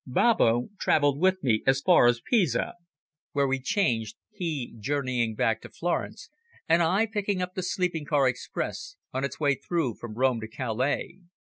Babbo travelled with me as far as Pisa, where we changed, he journeying back to Florence and I picking up the sleeping car express on its way through from Rome to Calais.